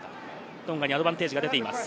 トンガにアドバンテージが出ています。